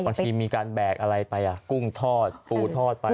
บางทีมีการแบกอะไรไปกุ้งทอดปูทอดไป